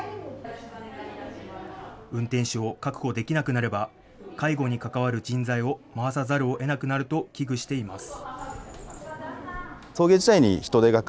運転手を確保できなくなれば介護に関わる人材を回さざるをえなくなると危惧しています。